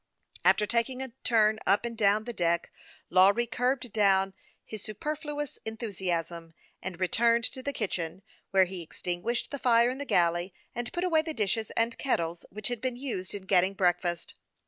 After taking a turn up and down the deck, Lawry curbed down his superfluous enthusiasm, and returned to the kitchen, where he extinguished the fire in the galley, and put away the dishes and kettles which had been used in getting breakfast.